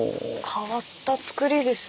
変わったつくりですね。